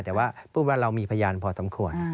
แต่ว่าพูดว่าเรามีพยานพอสมควร